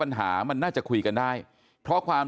ปัญหามันน่าจะคุยกันได้เพราะความ